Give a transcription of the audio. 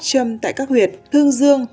châm tại các huyệt thương dương